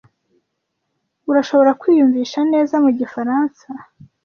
Urashobora kwiyumvisha neza mugifaransa?